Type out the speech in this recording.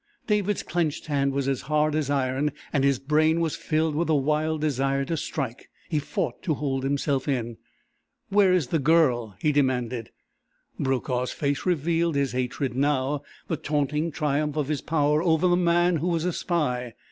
David's clenched hand was as hard as iron and his brain was filled with a wild desire to strike. He fought to hold himself in. "Where is the Girl?" he demanded. Brokaw's face revealed his hatred now, the taunting triumph of his power over this man who was a spy.